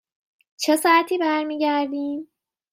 چه ساعتی برمی گردیم؟